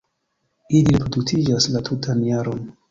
Ili reproduktiĝas la tutan jaron.